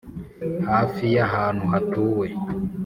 Hafi y ahantu hatuwe